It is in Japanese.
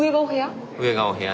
上がお部屋？